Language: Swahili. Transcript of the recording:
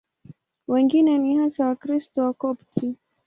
Wengine ni hasa Wakristo Wakopti.